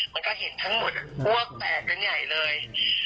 มันก็เห็นทั้งหมดอ้วกแตกกันใหญ่เลย